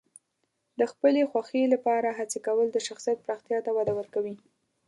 د خپلې خوښې لپاره هڅې کول د شخصیت پراختیا ته وده ورکوي.